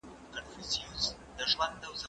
زه پرون لرګي راوړم وم!.